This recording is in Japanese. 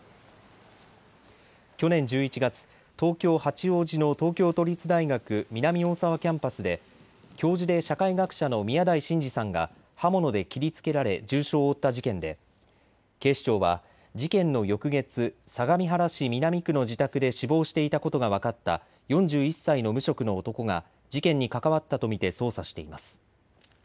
去年１１月、東京八王子の東京都立大学南大沢キャンパスで教授で社会学者の宮台真司さんが刃物で切りつけられ重傷を負った事件で、警視庁は事件の翌月、相模原市南区の自宅で死亡していたことが分かった４１歳の無職の男が事件に関わったと見て捜査しています。